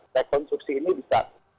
rekonstruksi ini bisa